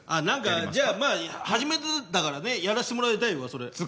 何かじゃあまあ初めてだからねやらしてもらいたいわそれ。